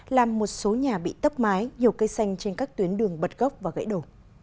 làm một số nhà bị tốc mái nhiều cây xanh trên các tuyến đường bật gốc và gãy đổ